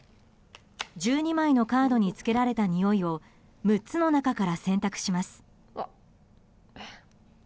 １２枚のカードにつけられたにおいを６つの中から選択します。